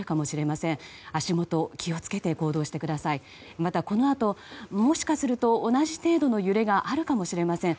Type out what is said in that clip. また、このあともしかすると同じ程度の揺れがあるかもしれません。